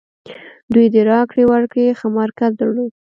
دوی د راکړې ورکړې ښه مرکز درلود.